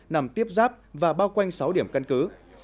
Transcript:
nằm tiếp ráp và bao quanh sáu điểm căn cứ